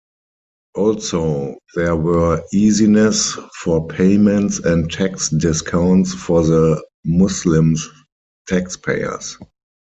Also, there were easiness for payments and tax discounts for the Muslims taxpayers.